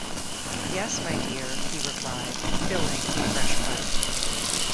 ‘Yes, my dear,’ he replied, filling a fresh pipe.